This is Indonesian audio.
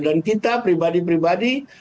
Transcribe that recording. dan kita pribadi pribadi